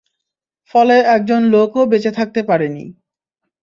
ফলে একজন লোকও বেঁচে থাকতে পারেনি।